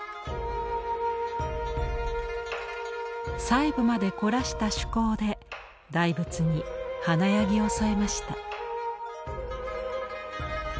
細部まで凝らした趣向で大仏に華やぎを添えました。